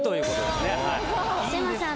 すいません